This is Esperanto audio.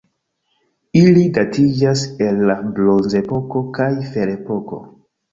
Ili datiĝas el la bronzepoko kaj ferepoko.